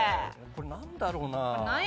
これなんだろうな？